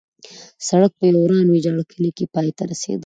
سړک په یو وران ویجاړ کلي کې پای ته رسېده.